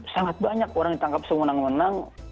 sangat banyak orang ditangkap semenang menang